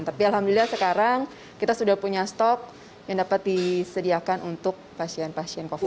tapi alhamdulillah sekarang kita sudah punya stok yang dapat disediakan untuk pasien pasien covid sembilan belas